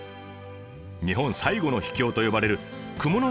「日本最後の秘境」と呼ばれる雲ノ